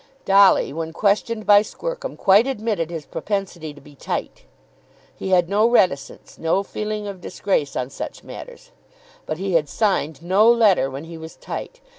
Dolly, when questioned by Squercum, quite admitted his propensity to be "tight." He had no reticence, no feeling of disgrace on such matters. But he had signed no letter when he was tight.